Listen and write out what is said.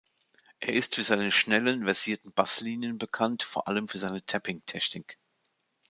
Er ist für seine schnellen, versierten Basslinien bekannt, vor allem für seine Tapping-Technik.